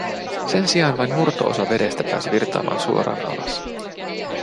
Sen sijaan vain murto-osa vedestä pääsi virtaamaan suoraan alas.